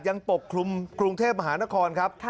ปกคลุมกรุงเทพมหานครครับ